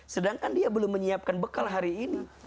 sedangkan dia belum menyiapkan bekal hari ini